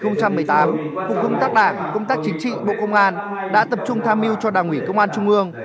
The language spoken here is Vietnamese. năm hai nghìn một mươi tám cục công tác đảng công tác chính trị bộ công an đã tập trung tham mưu cho đảng ủy công an trung ương